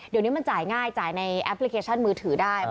เดี๋ยวนี้มันจ่ายง่ายจ่ายในแอปพลิเคชันมือถือได้